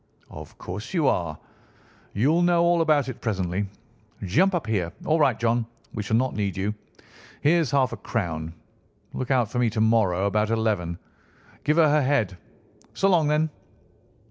"Of course you are. You'll know all about it presently. Jump up here. All right, John; we shall not need you. Here's half a crown. Look out for me to morrow, about eleven. Give her her head. So long, then!"